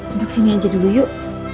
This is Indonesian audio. duduk sini aja dulu yuk